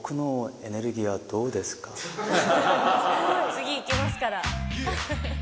次いきますから。